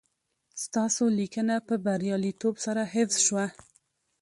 ستاسي لېنکه په برياليتوب سره حفظ شوه